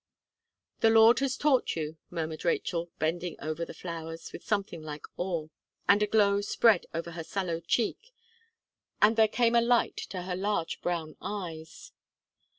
"The Lord has taught you," murmured Rachel, bending over the flowers with something like awe, and a glow spread over her sallow cheek, and there came a light to her large brown eyes.